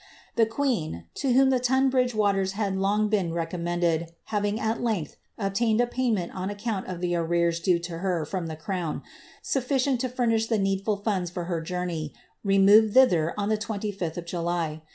een, to whom the Tunbridge waters had long been recom aving at length obtained a payment on account of the arrears from the crown, sufficient to furnish the needful funds for her emoved thither on the 25th of July.